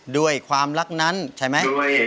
ด้วยความรักนั้นใช่ไหม